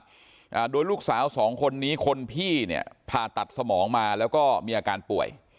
อ่าโดยลูกสาวสองคนนี้คนพี่เนี่ยผ่าตัดสมองมาแล้วก็มีอาการป่วย